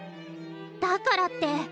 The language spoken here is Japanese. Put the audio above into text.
だからって。